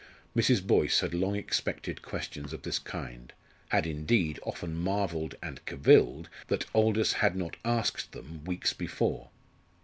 Mrs. Boyce had long expected questions of this kind had, indeed, often marvelled and cavilled that Aldous had not asked them weeks before.